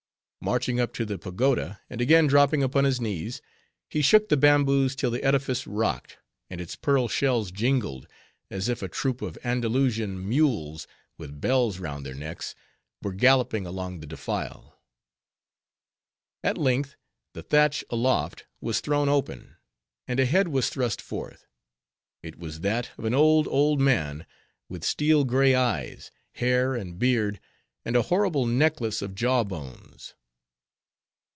Marching up to the pagoda, and again dropping upon his knees, he shook the bamboos till the edifice rocked, and its pearl shells jingled, as if a troop of Andalusian mules, with bells round their necks, were galloping along the defile. At length the thatch aloft was thrown open, and a head was thrust forth. It was that of an old, old man; with steel gray eyes, hair and beard, and a horrible necklace of jaw bones.